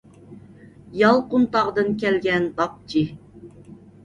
يالقۇنتاغدىن كەلگەن داپچى.